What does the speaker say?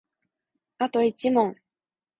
あと一問